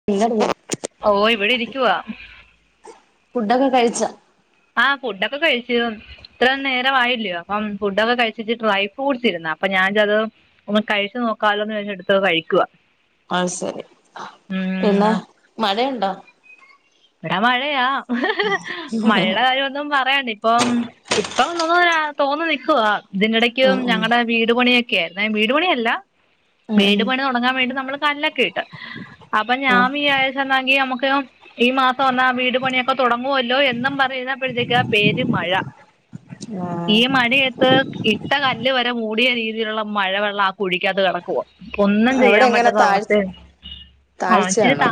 [unintelligible] ഓയ്‌ ഇവടെ ഇരിക്കുവാ ഫുഡൊക്കെ കഴിച്ച ആ ഫുഡക്ക കഴിച്ചു ഇത്ര നേരം ആയില്ലിയോ അപ്പം ഫുഡക്ക കഴിച്ചിട്ട് ഡ്രൈ ഫ്രൂട്ട്സ് ഇര്ന്ന അപ്പം ഞാൻ [unintelligible] ഒന്ന് കഴിച്ചു നോക്കാലോന്ന് വിചാരിച് ഇട്ത്ത് കഴിക്കുവ അത് സെറി പിന്നെ മഴയുണ്ടോ. ഇവടെ മഴയാ മയെടെ കാര്യം ഒന്നും പറയണ്ട ഇപ്പം ഇപ്പം [unintelligible] തോർന്ന് നിക്കുവാ ഇതിന്റെ എടക് ഞങ്ങളെ. വീട് പണിയൊക്കെ ആയിര്ന്നെ വീട് പണി അല്ല ഉം ഉം വീട് പണി തൊടങ്ങാം വേണ്ടിട്ട് നമ്മള് കല്ലൊക്കെ ഇട്ട് അപ്പം ഞാൻ ആഹ് വിചാരിച് എന്നാങ്കി നമുക്ക്. ഈ മാസം വന്നാ വീട് പണിയൊക്ക തൊടങ്ങുവല്ലോ എന്നും പർ പ്പഴത്തേക്ക പേരും മഴ ആഹ് ഈ മഴയത്ത് ഇ ട്ട കല്ല് വരെ മൂടിയ രീതിയിലുള്ള മഴവെള്ളാ ആ കുഴിക്കകത് കെട ക്കുവാ ഒന്നും അവിടെ ചെയ്യാം എങ്ങനെ പറ്റത്ത താഴ് അവസ്ഥയ ആ ഇച്ചിരി. താഴ്ചയാണോ താ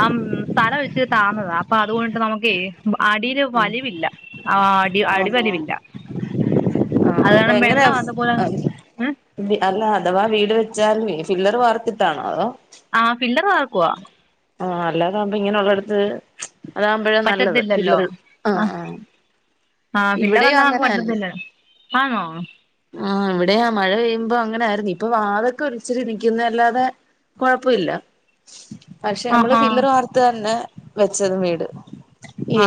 ആം സ്ഥലം ഇച്ചിരി താന്നതാ അപ്പ അതുകൊണ്ട്‌ നമുക്കെ. അടീല് ഉം വലിവില്ല ആ അടി ആഹ് ആഹ് അടിവലിവില്ല. ആഹ് അപ്പൊ അതാണ് എങ്ങനെ വെള്ളം അതുപോലെ ഉം. അല്ല അഥവാ വീട് വെച്ചാൽ ഫില്ലറ് വാർത്തിട്ടാണോ അതോ ആ ഫില്ലറ് വാർക്കുവാ. ആ അല്ലാതാവുമ്പ ഇങ്ങനെ ഉള്ളടത്ത്. അതാവുമ്പഴാ നല്ലത് പറ്റത്തില്ലല്ലോ ഫില്ലറ് ആ ആ ആ ഫില്ലറല്ലാതെ പറ്റത്തില്ലേ ആന്നോ ആ ഇവടെ മഴ പെയ്യുമ്പോ അങ്ങനെ ആയ്‌ര്ന്ന് ഇപ്പൊ വാത്ക്കെ ഒരിച്ചിരി നിക്കുന്ന അല്ലാതെ. കൊഴപ്പല്ല. പക്ഷെ നമ്മള് ആഹാ ഫില്ലറ് വാർത്ത് അന്ന് വെച്ചത് വീട്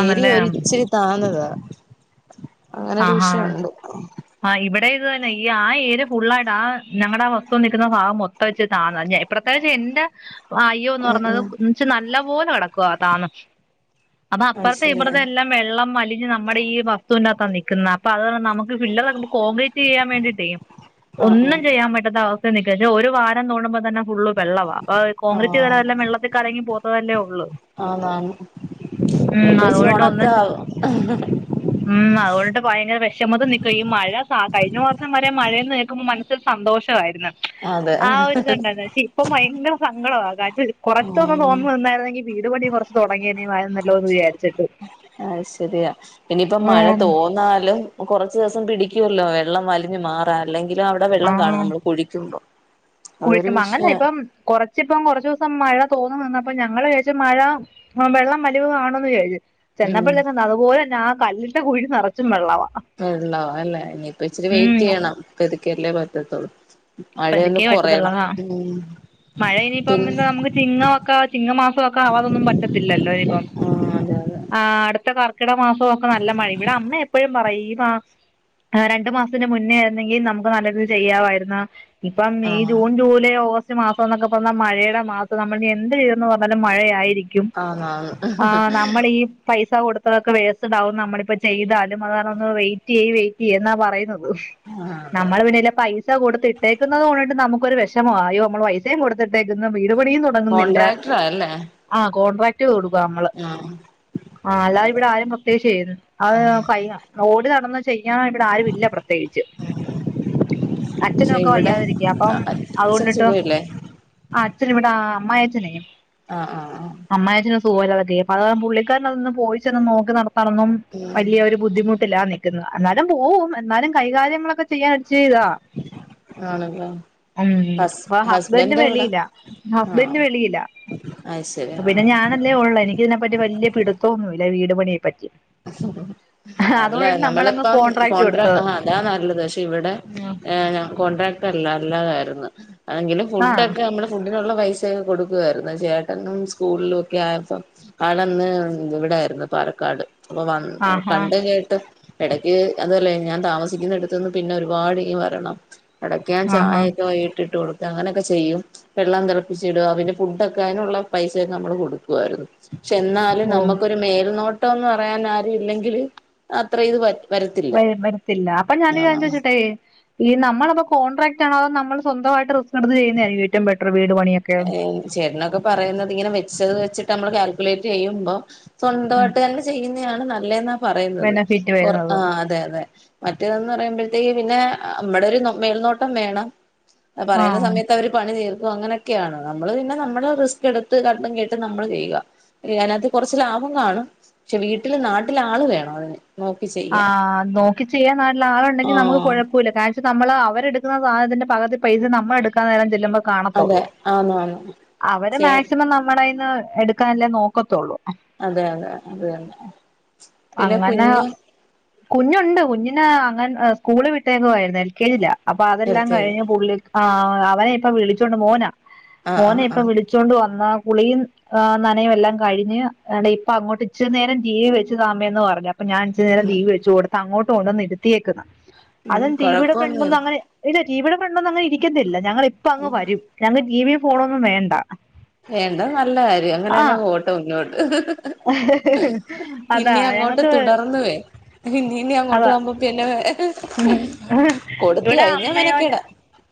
ഏരിയ ഒര് ഇച്ചിരി താന്നതാ. അങ്ങനെ ആ ഒരു ഹാ. വിഷയമുണ്ട് ആ ഇവടെ ഇത് തന്നെ ഈ ആ ഏരിയ ഫുള്ളായിട്ട് ആ ഞങ്ങടെ ആ വസ്തു നിക്കുന്ന ഭാഗം മൊത്ത വെച്ച് താന്നതാ ഇഞ് പ്രത്യേകിച്ച് ഇന്റെ. അയ്യോന്ന് ഉം പർഞ്ഞത് ഉം ച്ച് നല്ല പോലെ കേടക്കുവ താന്ന് അപ്പൊ അത് അപ്പർത്തെ ശരി ഇപ്പർത്തെ എല്ലം വെള്ളം അലിഞ് നമ്മളെ ഈ വസ്തുവിനകത്താ നിക്ക്ന്ന് അപ്പ അത് നമുക്ക് ഫില്ലറ് കോങ്ക്രീറ്റ് ചെയ്യാം വേണ്ടിട്ടേ ആഹ് ഒന്നും ആഹ് ചെയ്യാം പറ്റാത്ത അവ നിക്ക പക്ഷെ ഒരു വാരം തോണുമ്പോ തന്നെ ഫുള്ള് വെള്ളവാ. ആ കോൺഗ്രീറ്റ് ചെയ്‌താല് ആഹ് എല്ലം വെള്ളത്തി കലങ്ങി പോവത്തതല്ലേ ഒള്ളൂ. അതാണ്. ഉം അതോണ്ട് ഒന്ന് ഇണ്ട് ഉം അതോണ്ട്‌. ഭയങ്കര വിഷമതതി നിക്ക. ഈ മഴ കഴിഞ്ഞ വർഷം വരെ മഴന്ന് കേൾക്കുമ്പോ മനസ്സിൽ സന്തോഷവായിരുന്ന്. അതെ ആ ഒരി ത്ണ്ടല്ലോ. ക്ഷേ ഇപ്പ ഭയങ്കര സങ്കടവാ. കൊറച്ചൊന്ന് ഉം തോർന്നുന്നിന്നായിരുന്നെങ്കി. വീട് പണി കൊറച്ച് തുടങ്ങി നീ മഴ ന്നല്ലോ വിചാരിച്ചിട്ട്. ആഹ് ശെരിയാ. ഇനിപ്പോ മഴ ഉം തോന്നാലും. കൊറച്ചു ദിവസം പിടിക്കുല്ലോ വെള്ളം വലിഞ് മാറാ. അല്ലെങ്കിലും അവിടെ വെള്ളം കാണും നമ്മള് കുഴിക്കുമ്പോ. അതൊരു കുളിക്കുമ്പം അങ്ങല്ല. വിഷയ ഇപ്പം കൊറ ച് പ്പം കൊറച്ചൂസം മഴ തോന്നു നിന്നപ്പ ഞങ്ങള് വിയാരിച്ചു മഴ വെള്ളം വലിവ് കാണുന്ന് വിചാര്ച്ചു. ഉം ചെന്നപ്പള്ളന്നെ അതുപോലെന്ന ആഹ് കല്ലിന്റെ കുഴി നറച്ചും വെള്ളവാ. വെള്ളൊ അല്ലെ ഇനിയിപ്പൊ ഇച്ചിരി ഉം വെയിറ്റ് യ്യണം പതുക്കല്ലേ പറ്റത്തോളൂ. മഴയൊന്ന് പതുക്കേ കൊറയണം. പറ്റത്തുള്ളതാ പിന്നെ. ചിങ്ങ ഒക്കെ. ചിങ്ങമാസൊക്കെ ആവാതൊന്നും പറ്റത്തില്ലല്ലോ നിപ്പം. ആഹ് അതെ അതെ ആഹ് അടുത്ത കർക്കിട മാസൊക്കെ നല്ല മഴ. ഇവിടെ അമ്മ എപ്പോഴും പറയും ഈ മാ രണ്ട് മാസത്തിന്റെ മുന്നേ ആയിരുന്നെങ്കിൽ നമുക്ക് നല്ല രീതിൽ ചെയ്യാവായിരുന്നു. ഇപ്പം ഈ ആഹ് ജൂൺ, ജൂലൈ, ഓഗസ് റ്റ് മാസം എന്നൊക്കെ പറഞ്ഞാ മഴയുടെ മാസ. നമ്മൾ എന്ത് ചെയീന്ന് പറഞ്ഞാലും മഴയായിരിക്കും. ക്യും. ആന്നാന്ന് ആഹ് നമ്മളീ പൈസ കൊടു ത്തതൊക്കെ വേസ്റ്റ് താവും. നമ്മളിപ്പ ചെയ്താലും അത് കാരണം ഒന്ന് വെയ്റ്റ്യ്യി ഒന്ന് വെയിറ്റ് യ്യിന്നാ പറയുന്നത്. നമ്മള് പിന്നെല്ലെ പൈസ കൊടുത്തി ട്ടേക്കുന്നത്കൊണ്ട്‌ട്ട് നമുക്കൊരു വെഷമാ. ആയോ നമ്മള് പൈസേ കൊടുത്തിട്ടേക്കുന്നു വീപണിയും തൊട തുടങ്ങുന്നില്ല. കോൺട്രാക്ടറാ അല്ലേ ആഹ് കോൺട്രാ - ക്റ്റ് കൊടുക്ക നമ്മള്. ആഹ് ആഹ് അല്ലാ ഇവിടെ ആരും ഒത്തെഷേയ്യരുത്. അഹ് കൈല. ഓടി നടന്നു ചെയ്യാനോ ഇവിടെ ആരും ഇല്ല പ്രത്യേകിച്ച്. [inaudible] പക്ഷെ ഛനൊക്കെ ഇവിടെ വയ്യാതിരിക്ക. അപ്പം അച്ഛന് അതുകൊണ്ടിട്ട് സുഖമില്ലേ ആഹ് അച്ഛന് വടെ. അമ്മായിഅച്ചന്. ആഹ് ആഹ് ആഹ് അമ്മായിഅച്ചനെ സൂഖല്ല. അതൊെ അപ്പ അത പുള്ളിക്കാരന അതൊന്ന് പോയിച്ചന്ന് നോക്കി നടത്താനൊന്നും. ഉം വലിയ ഒരു ബുദ്ധിമുട്ടില നിൽക്കുന്ന. എന്നാലും പോവും എന്നാലും കൈകാര്യങ്ങളൊക്കെ ചെയ്യാൻ അടിച്ച് ചെയ്താ ആണല്ലേ. ഉം ഹസ് അപ്പൊ ഹസ്ബൻഡ് എവിടെ വെളിയില. ആഹ് ഹസ്ബൻഡ് വെളിയില. അയ്ശരി പിന്നെ ആഹ് ഞാനൊ ല്ലേ ഉള്ള. എനിക് ഇതിനെപ്പറ്റി വലിയ പിടുത്തന്നുമില്ല. വീട് പണിയെ പറ്റി. ഉ [inaudible] അല്ലേ. അതുകൊണ്ടിട്ട് നമ്മളങ്ങ് നമ്മളിപ്പം കോൺട്രാക്ട് കോൺട്രാ കൊടുത്തത് ആഹ് അതാ നല്ലത്. പക്ഷെ ഇവിടെ ഏഹ് കോൺട്രാ റ്റല്ലാതായിരുന്നു. അതെങ്കിലും ആ ഫുഡ്ഡോക്കെ നമ്മള് ഫുഡിനുള്ള പൈസയൊക്കെ കൊടുക്കുവായിരുന്നു. ചേട്ടനും സ്കൂളിലും ഒക്കെ ആയപ്പോ ആളന്ന് ഇവിടൊയിരുന്നു പാലക്കാട്. അപ്പൊ വന്ന് ആഹാ കണ്ട കേട്ട് എടക്ക് അതൊല്ല ഞാൻ താമസിക്കുന്നടുത്തു ന്ന് പിന്നെ ഒരുപാട് നിം വരണം. ഇടക്ക് ഞാൻ ആഹാ ചായ ക്കെ വൈകിട്ട് ഇട്ട് കൊടുക്കും. അങ്ങനൊക്കെ ചെയ്യും. വെള്ളം തിളപ്പിച്ചിടുക. പിന്നെ ഫുഡൊക്കെ അതിനുള്ള പൈസയൊക്കെ നമ്മള് കൊടുക്കുവായിരുന്നു. ക്ഷെ എന്നാലും ഓ നമുക്കൊരു മേൽനോട്ടം ന്ന് പറയാൻ ആരു ല്ലെങ്കില് അത്ര ഇത് പറ്റ വ വരത്തില്ല. അപ്പൊ ഞാനരു കാര്യം ചോചോട്ടേ. ഈ നമ്മളപ്പോ കോൺട്രക്ട് ആണോ നമ്മള് സ്വന്തമായിട്ട് റിസ്ക്കെടുത്‌ ചെയുന്നതായിരിക്കൊ ഏറ്റം ബെറ്റർ വീട് പണിയൻ. ഏഹ് ചേടനൊക്കെ പറയുന്നത് ഇങ്ങനെ വെച്ചത് വെച്ചിട്ട് നമ്മള് കാൽക്കുലേറ്റ് ചെയ്യുമ്പോ ഉം സ്വൻതമായിട്ട് തന്നെ ചെയ്യുന്നയാണ് നല്ലതെന്നാ പറയുന്നത്. ബെനഫിറ്റ് വരുന്നത് ആഹ് അതെ അതെ. മറ്റേതെന്ന് പറയുമ്പോഴത്തേക്ക് പിന്നെ മ്മടെ ഒരു മേൽനോട്ടം വേണം. പറയുന്ന ആഹ് സമയത്ത് അവര് പണി തീർക്കൊ അങ്ങനെ ക്കാണ് നമ്മള് പിന്നെ നമ്മള റിസ്ക് എടുത്ത് കണ്ടും കേട്ടും നമ്മള് ചെയ്യുക അതിനകത്ത് കുറച്ച് ലാഭം കാണും പക്ഷെ വീട്ടില് നാട്ടിൽ ആള് വേണം അതിന് നോക്കി ചെയ്യാൻ ആഹ് നോക്കി ചെയ്യാൻ നല്ല ആളുണ്ടെങ്കിൽ നമുക്ക് ആഹ് കുഴപ്പമില്ല പ നമ്മള് അവരെടുക്കുന്ന സാധനത്തിന്റെ പകുതി പൈസ നമ്മള എടുക്കാന്ന നേരം ചെല്ലുമ്പ അതെ കാണത്തുള്ളൂ ആന്ന് ആന്ന് അവര് ചേ മാക്സിമം നമ്മുടെയിന്ന് എടുക്കാൻല്ലേ നോക്കത്തുള്ളൂ അതെ അതെ അത തന്നെ പിന്നെ അങ്ങനെ കുഞ്ഞു കുഞ്ഞുണ്ട് കുഞ്ഞിന് അംഗൻ സ്കൂള് വിട്ടേക്കയിരുന്നു എൽ കെ ജില അപ്പൊ അതെല്ലാം നിർത്തിയത് കഴിഞ്ഞ് പുള്ളി ആഹ് അവനെ ഇപ്പ വിളിച്ചോണ്ട് മോന ആഹ് മോന ആഹ് ഇപ്പ ആഹ് വിളിച്ചോണ്ട് വന്ന കുളിയും ആ നനയം എല്ലാം കഴിഞ്ഞു ഇപ്പ അങ്ങോട്ട് ഇച്ചു നേരം ടീവി വെച്ച താ അമ്മ യെന്ന് പറഞ്ഞു അപ്പൊ ഞാൻ നേരം ഉം ടി വി വെ ച്ചു കൊടുത്ത് അങ്ങോട്ട് കൊണ്ടുവന്ന് ഇരുത്തിയേക്കുന്നു ഉം അതും ടി വിയുടെ ഫ്രണ്ട് ഒന്നും കൊഴപ്പൊന്നുല്ല അങ്ങനെ ഇല്ല ടിവിയുടെ ഫ്രണ്ടൊന്നും അങ്ങനെ ഇരിക്കുന്നല്ല ഞങ്ങ ഇപ്പ അങ്ങ് വരും ഞങ്ങൾ ടി വി ഫോണൊന്നും വേണ്ട വേണ്ട നല്ല കാര്യം ആ അങ്ങനെന്നെങ്ങോട്ടെ മുന്നോട്ട് അതാ ഇനി അങ്ങോട്ട് ഞങ്ങക്ക് തുടർന്നുവേ ഇനി അങ്ങോട്ട് അതാ നമ്മപ്പിന്നെ കൊടുത്ത കഴിഞ്ഞാ മെനക്കേടാ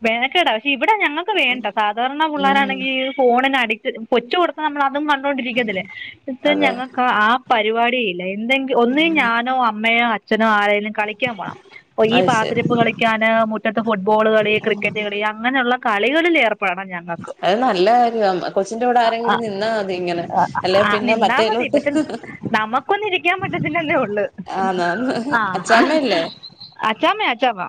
മെനക്കേടാ പക്ഷെ ഇവിടെ ഞങ്ങൾക്ക് വേണ്ട സാധാരണ ഉം പിള്ളോരാണെങ്കിൽ ഫോണിന് അഡിക് കൊച്ച് കൊടുത്ത നമ്മൾ അതും കണ്ടൊണ്ടിരിക്കുന്നല്ലേ അതെ ഞങ്ങൾക്ക് ആ പരിപാടിയില്ല എന്തെങ്കില ഒന്നും ഞാനോ അമ്മയോ അച്ഛനോ ആരേങ്കലും കളിക്കാൻ പോവണം അപ്പൊ ഈ അത് ശരി പാത്തിരിപ്പ് കളി കളിക്കാന് മുറ്റത്ത് ഫുട്ബോള് കളി ക്രിക്കറ്റ് കളി അങ്ങനെയുള്ള കളികളിൽ ഏർപ്പെടണം ഞാൻ അത് നല്ല കാര്യമാണ് കൊച്ചിന്റെറെ കൂടെ ആരെങ്കിലും നിന്നാ മതി ഇങ്ങനെ അല്ല പിന്നെ നിന്നാ മതി മറ്റേലോട്ട് പക്ഷെ നമുക്കൊന്ന് ഇരിക്കാൻ പറ്റത്തില്ലന്നെ ഉള്ളു ആന്നാന്ന് ആഹ് അച്ചാമ്മയല്ലേ അച്ചാമേ അച്ചാമ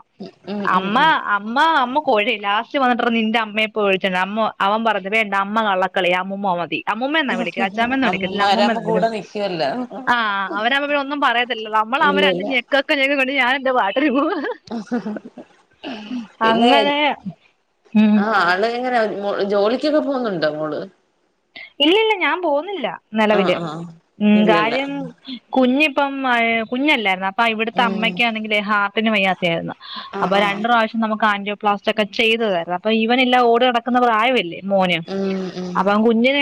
ഉം ഉം അമ്മ ഉം അമ്മ അമ്മ കോഴേ ലാസ്റ്റ് വന്നിട്ടി നിന്റെ അമ്മയപ്പോ ഒഴിച്ച അമ്മ അവൻ പറഞ്ഞു വേണ്ട അമ്മ കള്ളക്കളി അമ്മൂമ മതി അമ്മൂമ എന്നാ വിളിക്ക അച്ചാമ്മ എന്ന് വിളി അമ്മൂമ്മ അമ്മമാരാവുമ്പോ വിളി കൂടെ നിക്കുവല്ലോ ആഹ് അവര് ആവുമ്മേ ഒന്നും പറയത്തില്ല നമ്മള് അവ ഇല്ല രണ്ട് ഇല്ല കക്ക ഞക്ക കൊണ്ട് ഞാൻന്താ വാട്ടർ പോക പിന്നെ അങ്ങനെ ഉം ആഹ് ആള് എങ്ങനെ ജോലിക്കൊക്കെ പോകുന്നുണ്ട് മോള് ഇല്ല ഇല്ല ഞാൻ പോവുന്നില്ല ആഹ് നിലവില് ആഹ് ഉ ഇല്ലല്ല കാര്യം കുഞ്ഞിപ്പം കുഞ്ഞല്ലായിരുന്ന അപ്പ ഇവിടുത്തെ ഉം അമ്മയ്ക്കാണെങ്കിലേ ഹാർട്ടിന് വയ്യാത്തി ആയിരുന്നു ആഹ് അപ്പൊ ആഹ് രണ്ടു പ്രാവശ്യം നമുക്ക് ആൻറോപലാസ്റ്റ് ഒക്കെ ചെയ്തായിരുന്നു അപ്പൊ എല്ലാ ഓടി നടക്കുന്നവ പ്രായവല്ലേ മോന് ഉം ഉം അപ്പൊ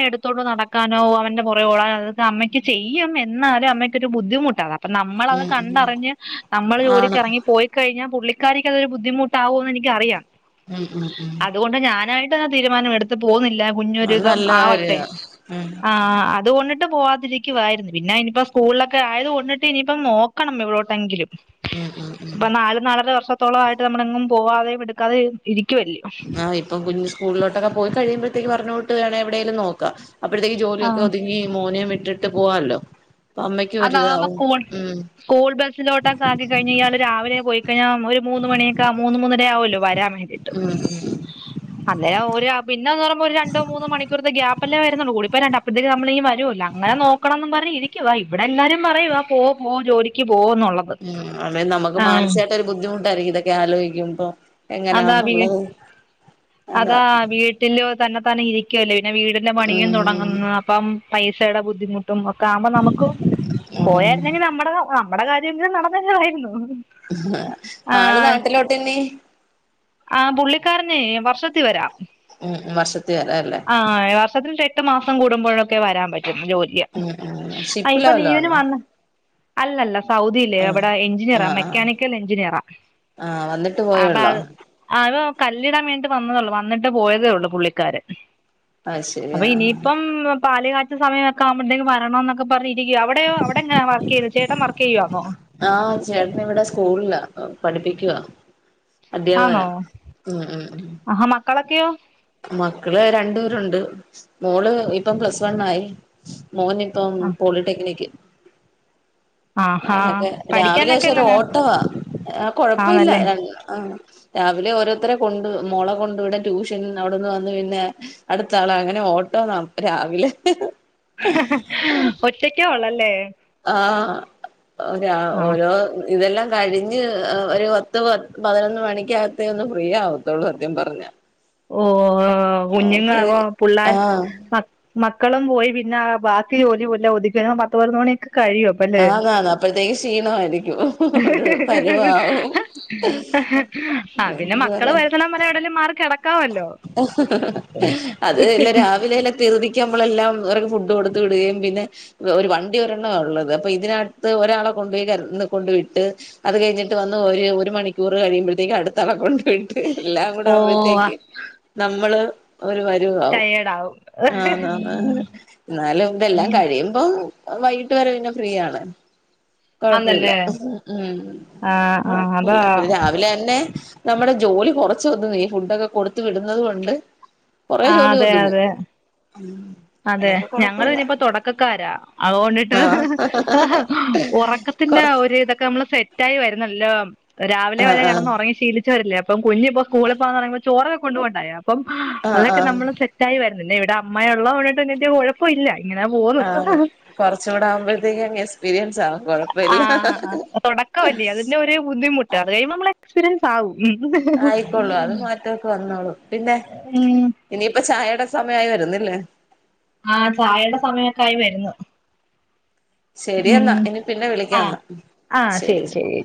എടുത്തോട്ടോ നടക്കാനോ അവന്റെ പുറകെ ഓടാനോ അതൊക്കെ അമ്മയ്ക്ക് ചെയ്യും എന്നാലും അമ്മയ്ക്കൊരു ബുദ്ധിമുട്ടാണ് അപ്പൊ നമ്മളത് ഉം ഉം കണ്ടറിഞ്ഞ് നമ്മള് ആണ് ജോലിക്ക് ഇറങ്ങി പോയി കഴിഞ്ഞാ പുള്ളിക്കാരീക്ക് അതൊരു ബുധിമുട്ടാവുന്നെനിക്കറിയാം ഉം ഉം ഉം അപ്പോ ഞാനായിട്ട് എന്ന തീരുമാനം എടുത്ത് പോകുന്നില്ല അത് കുഞ്ഞൊരിധം നല്ല ആവട്ടെ കാര്യാ ഉം ആഹ് അത്കൊണ്ടിട്ട് പോവാത യിരുന്നു പിന്നെ ഇനിയിപ്പോ സ്കൂളിലൊക്കെ ആയത് കൊണ്ടിട്ട് ഇനിയിപ്പ നോക്കണം ഇവിടെോട്ടെങ്കിലും ഉം ഉം ഉം ഇപ്പൊ നാല് നാലര വർഷത്തോളം ആയിട്ട് നമ്മളെങ്ങും പോവാതെയ എടുക്കാതെ ഇരിക്കുവല്ലേ ആഹ് ഇപ്പ കുഞ് സ്കൂളിലോട്ടൊക്കെ പോയി കഴിയുമ്പഴത്തേക്ക് പറഞ്ഞോട്ട് വേണം എവിടേലും നോക്കാ അപ്പോഴത്തേക്ക് ആ ജോലിയൊക്കെ ഒതുങ്ങി മോനും വിട്ടിട്ട് പോവാമല്ലോ അതാവുമ്പോ സ്കൂൾ സ്കൂൾ ബസ്സിലോട്ടക്കാക്കി കഴിഞ്ഞയ് ഞ്ഞാൽ രാവിലെ പോയി കഴിഞ്ഞൽ ഒരു മൂന്ന് മണിയൊക്കെ മൂന്ന് മൂന്നര ആവല്ലോ വരാൻ വേണ്ടിട്ട് ഉം അന്നേരം ഓര് ആ പിന്നെന്ന് പറയുമ്പോ ഒരു രണ്ടോ മൂന്നോ മണിക്കൂർത്തെ ഗ്യാപ്പ് പ്പല്ലേ വരുന്നുള്ളൂ കൂടിപ്പോയ രണ്ട് അപ്പഴ്ത്തേനും നമ്മളീങ്ങ് വരുവല്ലോ അങ്ങനെ നോക്കണം ന്നും പറഞ് ഇരിക്കുവായി. ഇവിടെ എല്ലാരും പറയുവ ആ പോ പോ ജോലിക്ക് പോന്നുള്ളത് ഉം അതേ നമുക്ക് ആഹ് മാനസികായിട്ട് ഒരു ബുദ്ധിമുട്ടായിരിക്കും ഇതൊക്കെ ആലോചിക്കുമ്പൊ. അതാ വീ എങ്ങനാന്നുള്ളത് അതാ. ട്ടിന്നുവേ തന്നെ താനെ ഇരിക്കുവല്ലെ പിന്നെ വീടിന്റെ പണിയും ഉം തുടങ്ങുന്ന ഇപ്പം പൈസയുടെ ബുദ്ധിമുട്ടും ഒക്കെ ആമ്പോ നമുക്കും ഉം പോയാരുന്നെങ്കി നമ്മുടെ ആഹ്. നമ്മടെ കാര്യം ഒക്കെ ഇത് നടന്നതായിരുന്നു. ആള് നാട്ടിലോട്ട് ന്നെ. ആഹ് പുള്ളിക്കാരനെ വർഷത്തി വരാം. ഉം വർഷത്തി വരാ അല്ലേ? ആഹ് ആഹ് വർഷത്തി എട്ട് മാസം കൂടുമ്പോഴൊക്കെ വരാൻ പറ്റുന്ന ജോലി. ഉം ഉം ആഹ് ഷിപ്പില ഇപ്പൊ വല്ലോ ലീവിന് ആണോ വന്ന അല്ല അല്ല സൗദി ഇല്ലേ ആഹ് അവിടെ എഞ്ചിനീയറ ആഹ് ആഹ് മെക്കാനിക്കൽ എഞ്ചിനീയറാ. ആഹ് വന്നിട്ട് പോയെ ഒള്ളോ? ആഹ് അത് കല്ലിടാൻ വേണ്ടിട്ട് വന്നതേ ഒള്ളൂ വന്നിട്ട് പോയതേ ഉള്ളൂ പുള്ളിക്കാരൻ. അത് ശരി അപ്പൊ ആഹ് ഇനിയിപ്പം പാല കാ സമയൊക്കെ ആമ്പോത്തെക്കും വരണം എന്നൊക്ക പറഞ് ഇരിക്കുവ അവിടെയോ അവിടെ എങ്ങന വർക്ക്‌ ചെയ്ത് ചേട്ടൻ വർക്കെയ്യുവാന്നോ? ആഹ് ചേട്ടനിവിടെ സ്കൂളില പഠിപ്പിക്കുവ. അധ്യാപകനം ഉം ഉം ഉം. കളക്കെയോ? മക്കള് രണ്ടു പേരുണ്ട് മോള് ഇപ്പം പ്ലസ് വണ് ആയി. മോൻ ഇപ്പം ആ പോളിടെക്നിക്ക്. ആഹാ അങ്ങനെയൊക്കെ രാവിലെ പഠിക്കാനൊക്കെ പശെ ഒരു എങ്ങനാ ഓട്ടവാ ആ കൊഴപ്പം ഇല്ല ആന്നല്ലേ രണ്ട് ആഹ്. രാവിലെ ഓരോരുത്തരെ കൊണ്ട് മോളെ കൊണ്ട് വിടാൻ ട്യൂഷൻ അവിടെന്ന് വന്നു പിന്നെ അടുത്താള അങ്ങനെ ഓട്ടോന്ന രാവിലെ. ഒറ്റക്ക ഒള്ള് അല്ലേ? ആഹ് ഒ രാ ഓരോ ഇതെല്ലാം കഴിഞ്ഞ് ഒരു പത്ത് പ പതിനൊന്ന് മണിക്കകത്തെ ഒന്ന് ഫ്രീ ആവത്തുള്ളൂ സത്യം പറഞ്ഞ. ഓ ഓക്കെ കുഞ്ഞുങ്ങളാവോ ആ പുള്ളേർ സ മക്കളും പോയി പിന്നെ ബാക്കി ജോലി പോല്ല ഒതുക്കിഞ്ഞ പത്ത പരുന്ന് മണിയൊക്കെ കഴിയും. പല്ലേ. ആന്ന് ആന്ന് അപ്പോഴത്തേക്ക് ക്ഷീണമായിരിക്കും ഒരു പരുവാവും ആഹ് പിന്നെ എന്ത് മക്കള് പറയാ വരുന്നോണം വരെ എവിടേലും മാറി കെട അത് വല്ല രാവിലെ വല്ല തിറുതിക്ക്‌ ആമ്പോളെല്ലാം എറങ്ങി ഫുഡ് കൊടുത്ത് വിടുകയും പിന്നെ ഒരു വണ്ടി ഒരെണ്ണവ ഉള്ളത് അപ്പൊ ഇതിനാടത്ത് ഒരാള കൊണ്ട് പോയി അടുത്തന്ന് കൊണ്ട് വിട്ട് അത് കഴിഞ്ഞിട്ട് വന്ന് ഒര് ഒരു മണിക്കൂർ കഴിയുമ്പോഴത്തേക്ക് അടുത്ത ആള കൊണ്ട് വി എല്ലാം കൂടെ ഓ ആവുമ്പോത്തേക്ക് നമ്മള് ഒരു വരുവം ആവും ടയേർഡ് ആവും ആഹ് എന്ന എന്നാലും ഇതെല്ലാം കഴിയുമ്പം വൈകീട്ട് വരെ പിന്നെ ഫ്രീ ആണ്. കൊഴപ്പമില്ല ആന്നല്ലേ ആ ആ കൊഴപ്പുല്ല അതാ പിന്നെ രാവിലെ തന്നെ നമ്മളെ ജോലി കൊറച്ച് വന്ന് നീ ഫുഡൊക്കെ കൊടുത്ത് വിടുന്നത് കൊണ്ട് കൊറെ ആ ജോലി അതെ ഒതുങ്ങും. അതെ അതെ അങ്ങനെയൊക്കെ ഞങ്ങള് കൊഴപ്പമില്ല പിന്നെപ്പോ തൊടക്കക്കാരാ അതുകൊണ്ടിട്ട് ആഹ് ഒറക്കത്തിന്റെ കൊറ ആ ഒരു ഇതൊക്കെ നമ്മള് സെറ്റായി വരുന്നല്ലോ രാവിലെ ആഹ് വരെ ആഹ് കിടന്ന് ഉറങ്ങി ശീലി ച്ച വരല്ലേ അപ്പം കുഞ്ഞ് ഇപ്പൊ സ്‌കൂള് പോകാ ന്നറയുമ്പോ ചോറൊക്കെ കൊണ്ടു പോണ്ടായ അപ്പം ആഹ് അതൊക്കെ ആഹ് നമ്മള് സെ റ്റായി വരുന്നില്ലേ ഇവിടെ അമ്മയ ഉള്ളോണിട്ട്ന്ന കുഴപ്പ ഇല്ല ഇങ്ങനാ പോകുന്നു കൊർച്ച് കൂടെ ആവുമ്പഴത്തേക്ക് അങ് എക്സ്പീരിയൻസ് ആവും കുഴ ആഹ് തൊടക്കമല്ലേ അതിന്റെ ഒരു ബുദ്ധിമുട്ട് അത് കഴിയുമ്പോ നമ്മള എക്സ്പീരിയൻസ് ആവും ആയിക്കോളൂ അത് മാറ്റമൊക്കെ വന്നോളും പിന്നെ ഉം ഇനിയിപ്പ ചായയുടെ സമയായി വരുന്നില്ലേ ആഹ് ചായയുടെ സമയൊക്കെ ആയി വരുന്നു ഉം ശരിയെന്നാ ഇനി പിന്നെ ആഹ് വിളിക്കാന്നാ ആഹ് ശരി ശെരി ശരി ശെരി